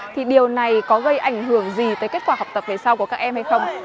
thì điều này có gây ảnh hưởng gì tới kết quả học tập ngày sau của các em hay không